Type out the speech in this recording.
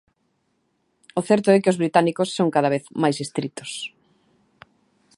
O certo é que británicos son cada vez máis estritos.